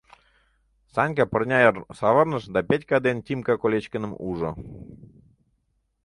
Санька пырня йыр савырныш да Петька ден Тимка Колечкиным ужо.